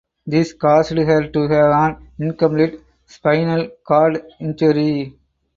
This caused her to have an incomplete spinal cord injury.